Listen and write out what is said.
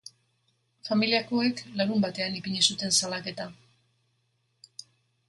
Familiakoek larunbatean ipini zuten salaketa.